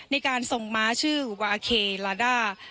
ในการส่งม้าชื่อวาอาเคลาด้า